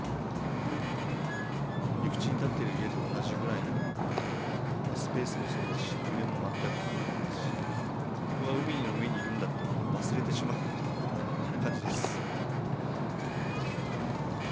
陸地に建っている家と同じくらいのスペースもそうですし、揺れも全く感じないですし、ここが海の上にいるんだということを忘れてしまう感じです。